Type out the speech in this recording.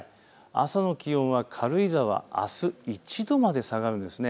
朝の気温は軽井沢、あす１度まで下がるんです。